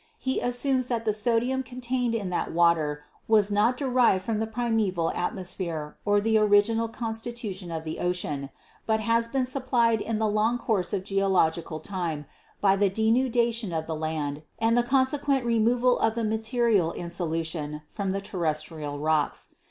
He assumes that the sodium con tained in that water was not derived from the primeval atmosphere or the original constitution of the ocean, but has been supplied in the long course of geological time by the denudation of the land and the consequent removal of the material in solution from the terrestrial rocks.